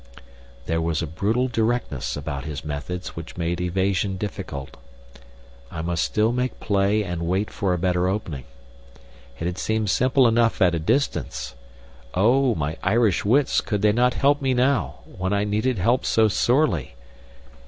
There was a brutal directness about his methods which made evasion difficult. I must still make play and wait for a better opening. It had seemed simple enough at a distance. Oh, my Irish wits, could they not help me now, when I needed help so sorely?